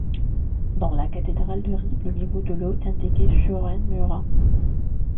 Dans la cathédrale de Ribe, le niveau de l'eau est indiqué sur un mur.